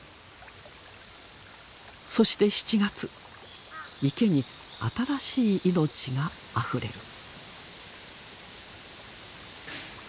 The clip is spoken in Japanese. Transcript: そして７月池に新しい命があふれる。